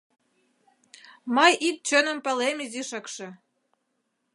Мый ик чыным палем изишакше: